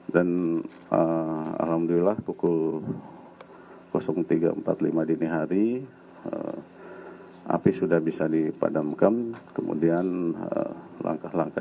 dan alhamdulillah pukul tiga empat puluh lima dini hari api sudah bisa dipadamkan kemudian langkah langkah